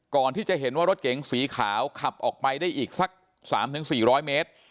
ก่อนที่จะเห็นว่ารถเก๋งสีขาวขับออกไปได้อีกสัก๓๔๐๐เมตร